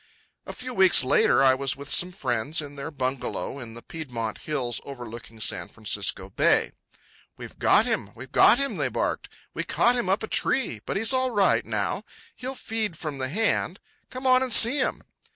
A few weeks later I was with some friends in their bungalow in the Piedmont hills overlooking San Francisco Bay. "We've got him, we've got him," they barked. "We caught him up a tree; but he's all right now, he'll feed from the hand. Come on and see him."